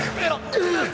うっ。